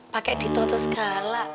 pakai ditoto segala